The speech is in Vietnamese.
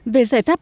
về giải pháp